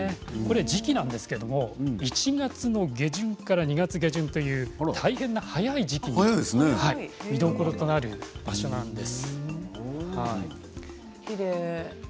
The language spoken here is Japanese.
時期なんですが１月の下旬から２月下旬という大変早い時期に見どころとなる場所なんです。